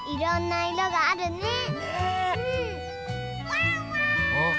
・ワンワン！